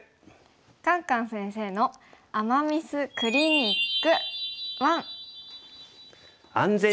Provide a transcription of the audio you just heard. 「カンカン先生の“アマ・ミス”クリニック１」。